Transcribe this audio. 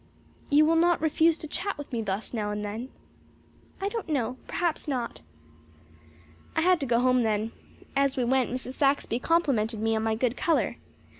"You will not refuse to chat with me thus now and then?" "I don't know. Perhaps not." I had to go home then. As we went Mrs. Saxby complimented me on my good colour.